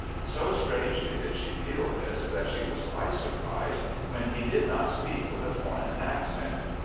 So strangely did she feel this that she was quite surprised when he did not speak with a foreign accent.